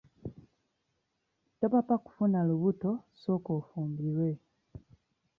Topapa kufuna lubuto, sooka ofumbirwe.